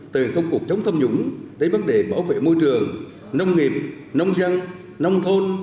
từ công cục chống tham nhũng đến vấn đề bảo vệ môi trường nông nghiệp nông dân nông thôn